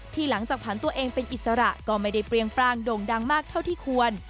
หลังจากผ่านตัวเองเป็นอิสระก็ไม่ได้เปรียงปรางโด่งดังมากเท่าที่ควร